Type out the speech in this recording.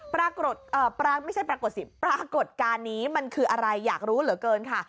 ปรากฏไม่ใช่ปรากฏสิปรากฏการณ์นี้มันคืออะไรอยากรู้เหลือเกินค่ะ